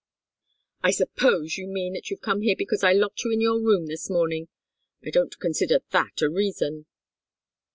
"I suppose you mean that you've come here because I locked you in your room this morning. I don't consider that a reason."